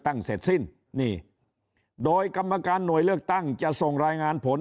เสร็จสิ้นนี่โดยกรรมการหน่วยเลือกตั้งจะส่งรายงานผล